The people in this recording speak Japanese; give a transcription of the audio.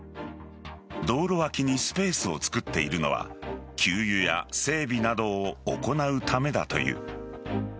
道路脇にスペースを作っているのは給油や整備などを行うためだという。